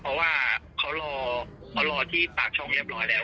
เพราะว่าเขารอเขารอที่ปากช่องเรียบร้อยแล้ว